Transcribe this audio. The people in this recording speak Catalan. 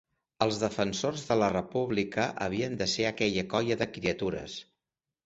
Els defensors de la República havien de ser aquella colla de criatures